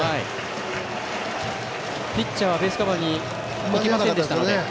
ピッチャーはベースカバーに行きませんでした。